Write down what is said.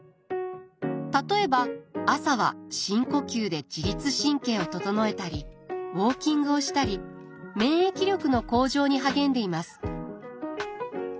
例えば朝は深呼吸で自律神経を整えたりウォーキングをしたり免疫力の向上に励んでいます。